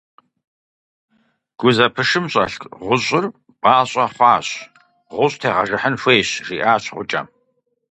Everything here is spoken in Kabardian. – Гузэпышым щӀэлъ гъущӀыр пӀащӀэ хъуащ, гъущӀ тегъэжыхьын хуейщ, – жиӀащ гъукӀэм.